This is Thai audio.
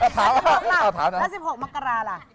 ถ้าถามล่ะแล้ว๑๖มกราล่ะ